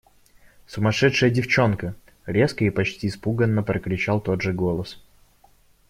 – Сумасшедшая девчонка! – резко и почти испуганно прокричал тот же голос.